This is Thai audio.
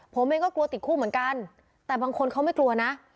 ผมเองก็กลัวติดคู่เหมือนกันแต่บางคนเขาไม่กลัวนะ